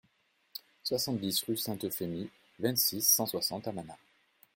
soixante-dix rue Sainte-Euphémie, vingt-six, cent soixante à Manas